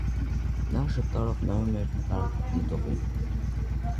Նա ժպտալով նայում է նկարը դիտողին։